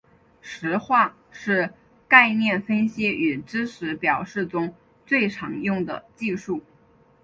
实化是概念分析与知识表示中最常用的技术。